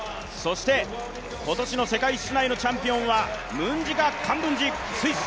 今年の世界室内のチャンピオンはムンジガ・カンブンジ、スイス。